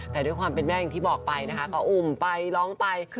แต่ด้วยความเป็นแม่อย่างที่บอกไปนะคะก็อุ่มไปร้องไป